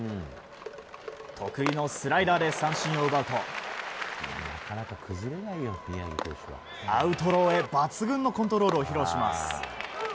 得意のスライダーで三振を奪うとアウトローへ抜群のコントロールを披露します。